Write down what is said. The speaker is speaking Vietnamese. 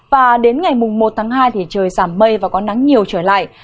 và đến ngày một tháng hai thì trời giảm mây và có nắng nhiều trở lại